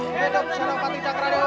hidup salam pati cakra dewa